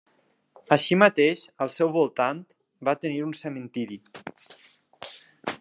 Així mateix, al seu voltant va tenir un cementiri.